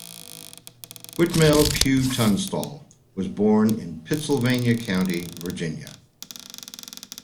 Whitmell Pugh Tunstall was born in Pittsylvania County, Virginia.